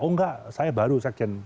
oh enggak saya baru sekjen